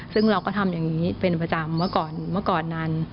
ซึ่งเราก็ทำอย่างนี้เป็นประจำเมื่อก่อนนาน